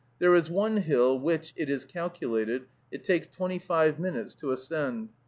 There is one hill which, it is calculated, it takes twenty five minutes to ascend.